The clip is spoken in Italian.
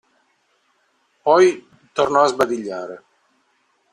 Poi tornò a sbadigliare.